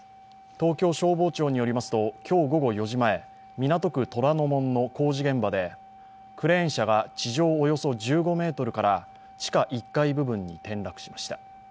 東京消防庁によりますと今日午後４時前、港区虎ノ門の工事現場でクレーン車が地上およそ１５ｍから地下１階部分に転落しました。